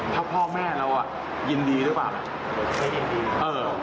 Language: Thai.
ไถ่พ่อแม่เราอ่ะยินดีหรือเปล่ามั้ย